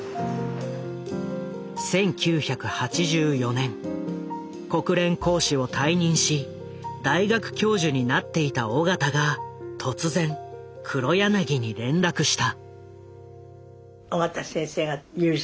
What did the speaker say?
１９８４年国連公使を退任し大学教授になっていた緒方が突然黒柳に連絡した。